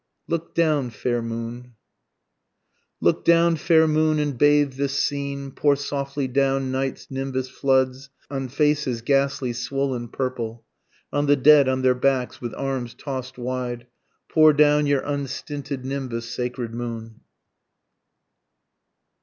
LOOK DOWN FAIR MOON. Look down fair moon and bathe this scene, Pour softly down night's nimbus floods on faces ghastly, swollen, purple, On the dead on their backs with arms toss'd wide, Pour down your unstinted nimbus sacred moon.